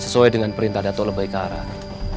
sesuai dengan perintah datuk lebai karang